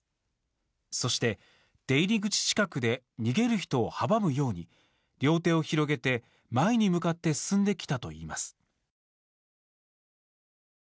そして、出入り口近くで逃げる人を阻むように両手を広げて前に向かって進んできたといいます。